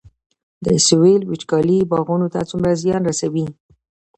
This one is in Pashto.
د سویل وچکالي باغونو ته څومره زیان رسوي؟